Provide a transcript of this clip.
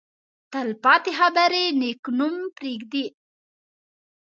تل پاتې خبرې نېک نوم پرېږدي.